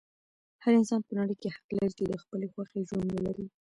هر انسان په نړۍ کې حق لري چې د خپلې خوښې ژوند ولري.